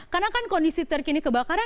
karena kan kondisi terkini kebakaran